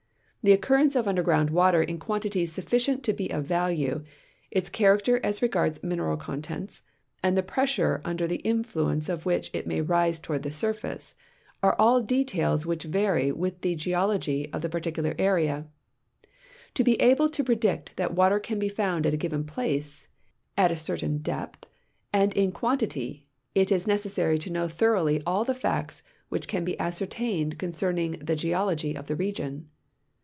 The occurrence of under ground water in quantities sufficient to be of value, its character as regards mineral contents, and the ])ressure under the influence of which it may rise toward the surface, are all details which vary with the geology of the i)articular area. To be aide to i)re dict that water can be found at a given })lace, at a certain depth, and in quantity, it is necessary to know thoroughly all the facts which can be ascertained concerning the geology of the region.